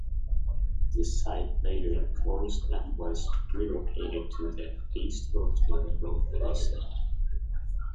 This site later closed and was relocated to the east of the level crossing.